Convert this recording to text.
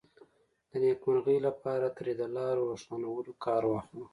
د نېکمرغۍ لپاره ترې د لارې روښانولو کار واخلو.